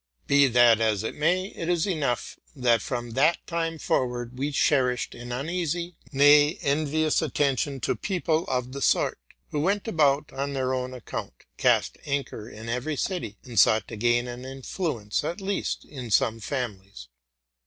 3e that as it may, it is enough, that, from that time for ward, we cherished an uneasy, nay, envious, attention to people of the sort, who went about on their own account, cast anchor in every city, and sought to gain an influence, at least, in some families.